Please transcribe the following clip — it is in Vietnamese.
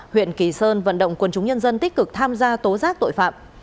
huyện kỳ sơn vận động quân chúng nhân dân tích cực tham gia tố giác tội phạm